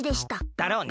だろうね。